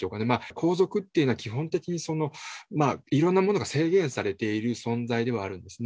皇族っていうのは基本的にいろんなものが制限されている存在ではあるんですね。